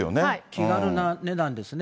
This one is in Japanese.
気軽な値段ですね。